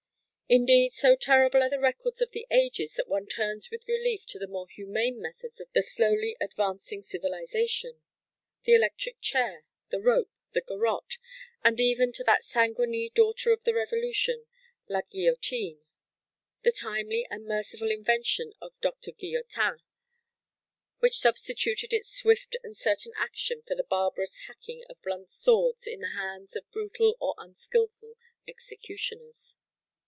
Indeed, so terrible are the records of the ages that one turns with relief to the more humane methods of slowly advancing civilization,—the electric chair, the rope, the garotte, and even to that sanguinary "daughter of the Revolution," "la guillotine," the timely and merciful invention of Dr. Guillotin which substituted its swift and certain action for the barbarous hacking of blunt swords in the hands of brutal or unskilful executioners.